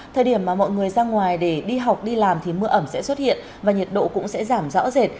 thời điểm mà mọi người ra ngoài để đi học đi làm thì mưa ẩm sẽ xuất hiện và nhiệt độ cũng sẽ giảm rõ rệt